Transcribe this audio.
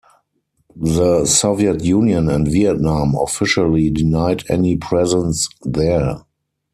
The Soviet Union and Vietnam officially denied any presence there.